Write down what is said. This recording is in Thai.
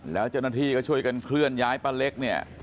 แล้วเจ้าหน้าที่ก็ช่วยกันเคลื่อนย้ายป้าเล็กเนี่ย